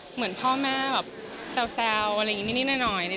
เหมือนพ่อแม่แซวอะไรอย่างนี้แน่